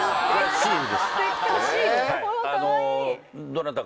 シール。